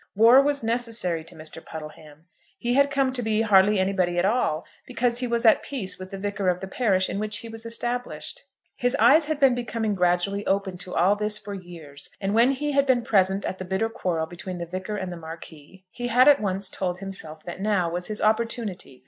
War was necessary to Mr. Puddleham. He had come to be hardly anybody at all, because he was at peace with the vicar of the parish in which he was established. His eyes had been becoming gradually open to all this for years; and when he had been present at the bitter quarrel between the Vicar and the Marquis, he had at once told himself that now was his opportunity.